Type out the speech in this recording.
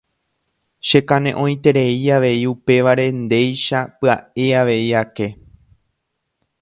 Chekaneʼõiterei avei upévare ndéicha pyaʼe avei ake.